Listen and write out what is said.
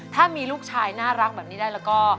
ถ้ามีลูกชายน่ารักแบบนี้ได้แล้วก็